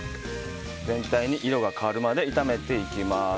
全体の色が変わるまで炒めていきます。